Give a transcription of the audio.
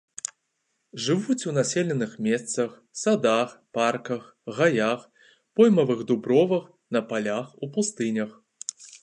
Жывуць у населеных месцах, садах, парках, гаях, поймавых дубровах, на палях, у пустынях.